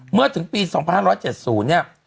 ก็ถึงปี๒๕๗๐เนี่ย